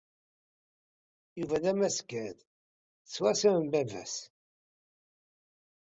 Yuba d amasgad, swaswa am baba-s.